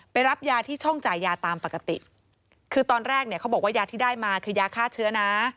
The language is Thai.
รับยาที่ช่องจ่ายยาตามปกติคือตอนแรกเนี่ยเขาบอกว่ายาที่ได้มาคือยาฆ่าเชื้อนะ